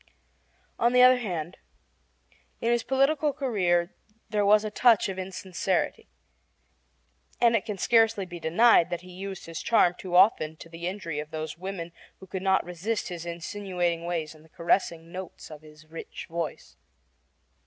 On the other hand, in his political career there was a touch of insincerity, and it can scarcely be denied that he used his charm too often to the injury of those women who could not resist his insinuating ways and the caressing notes of his rich voice.